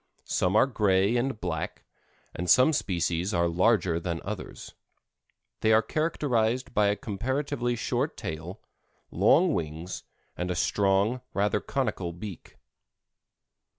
Some are gray and black, and some species are larger than others. They are characterized by a comparatively short tail, long wings, and a strong, rather conical beak.